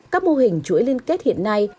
các mô hình chuỗi liên kết hiện nay